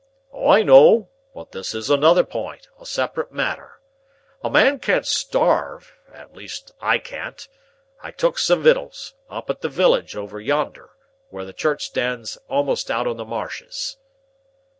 "I know, but this is another pint, a separate matter. A man can't starve; at least I can't. I took some wittles, up at the willage over yonder,—where the church stands a'most out on the marshes."